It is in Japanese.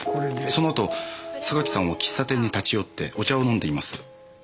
その後榊さんは喫茶店に立ち寄ってお茶を飲んでいます。